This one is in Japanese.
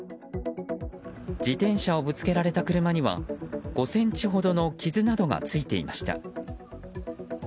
自転車をぶつけられた車には５ｃｍほどの傷などがついていました。